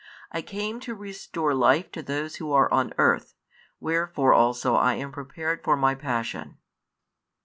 I came to restore life to those who are on earth, wherefore also I am prepared for My Passion."